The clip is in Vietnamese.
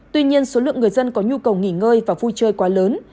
tuy nhiên số lượng người dân có nhu cầu nghỉ ngơi và vui chơi quá lớn